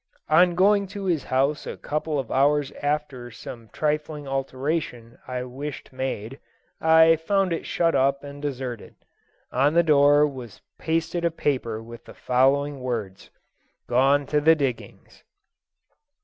On going to his house a couple of hours after about some trifling alteration I wished made, I found it shut up and deserted. On the door was pasted a paper with the following words, "Gone to the diggings."